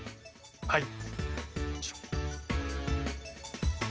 はい！